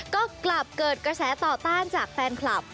ก็กลับเกิดกระแสต่อต้านจากแฟนคลับ